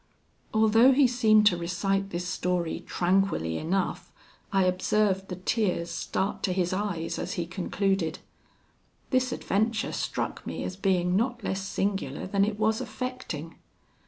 Although he seemed to recite this story tranquilly enough, I observed the tears start to his eyes as he concluded. This adventure struck me as being not less singular than it was affecting.